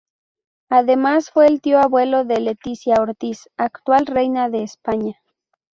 Además fue el tío abuelo de Letizia Ortiz, actual Reina de España.